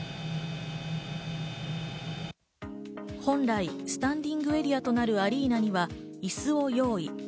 本来スタンディングエリアとなるアリーナには椅子を用意。